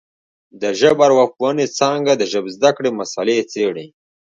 د ژبارواپوهنې څانګه د ژبزده کړې مسالې څېړي